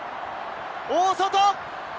大外！